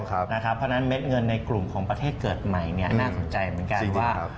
เพราะฉะนั้นเม็ดเงินในกลุ่มของประเทศเกิดใหม่น่าสนใจเหมือนกันว่า